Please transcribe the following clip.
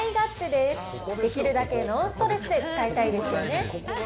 できるだけノンストレスで使いたいですよね。